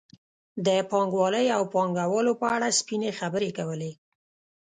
د پانګوالۍ او پانګوالو په اړه سپینې خبرې کولې.